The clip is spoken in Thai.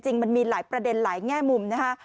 มันมีหลายประเด็นหลายแง่มุมนะคะ